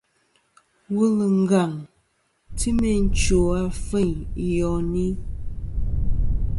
Wul ngaŋ ti meyn chwò afeyn i yoni.